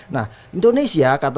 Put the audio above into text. nah indonesia kata